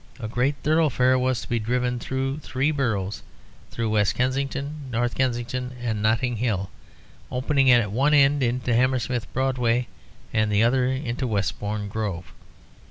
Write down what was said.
A great thoroughfare was to be driven through three boroughs, through West Kensington, North Kensington and Notting Hill, opening at one end into Hammersmith Broadway, and at the other into Westbourne Grove.